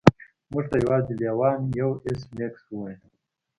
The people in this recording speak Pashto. موږ یوازې لیوان یو ایس میکس وویل